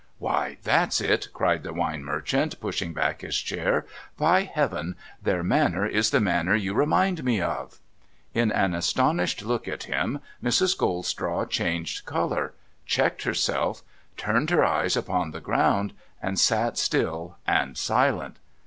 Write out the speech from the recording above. ' Why, that's it !' cried the wine merchant, pushing back his chair. ' By heaven ! Their manner is the manner you remind me of !' In an astonished look at him, Mrs. Goldstraw changed colour, checked herself, turned her eyes upon the ground, and sat still and silent.